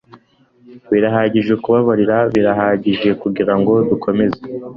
birahagije kubabarira. birahagije kugira ngo dukomeze